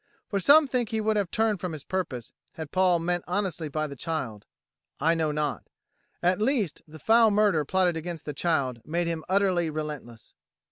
For some think he would have turned from his purpose, had Paul meant honestly by the child. I know not. At least, the foul murder plotted against the child made him utterly relentless.